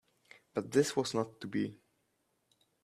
But this was not to be.